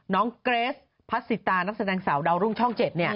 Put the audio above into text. เกรสพัสสิตานักแสดงสาวดาวรุ่งช่อง๗